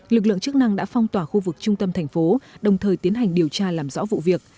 lực lượng chức năng đã phong tỏa khu vực trung tâm thành phố đồng thời tiến hành điều tra làm rõ vụ việc